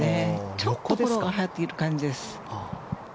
ちょっとフォローが入っている感じです。